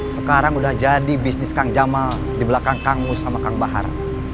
sekarang udah jadi bisnis kang jamal di belakang kang mus sama kang bahar